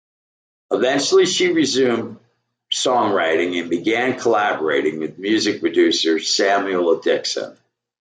Eventually, she resumed songwriting and began collaborating with music producer Samuel Dixon.